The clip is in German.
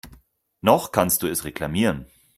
Noch kannst du es reklamieren.